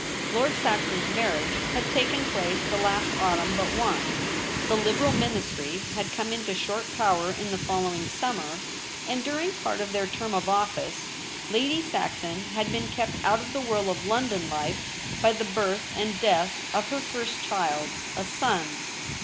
Lord Saxon's marriage had taken place the last autumn but one. The Liberal Ministry had come into short power in the following sum mer, and during part of their term of office Lady Saxon had been kept out of the whirl of London life by the birth and death of her first child — a son.